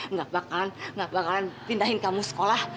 nggak bakal nggak bakalan pindahin kamu sekolah